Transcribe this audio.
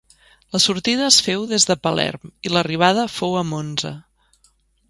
La sortida es féu des de Palerm i l'arribada fou a Monza.